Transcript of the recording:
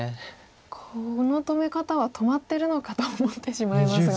この止め方は止まってるのかと思ってしまいますが。